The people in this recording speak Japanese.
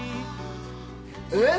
えっ？